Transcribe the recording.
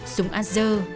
sùng a dơ